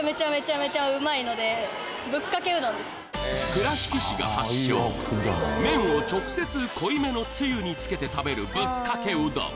倉敷市が発祥麺を直接濃いめのつゆにつけて食べるぶっかけうどん